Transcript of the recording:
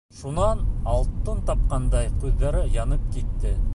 Шунан, алтын тапҡандай, күҙҙәре янып китте.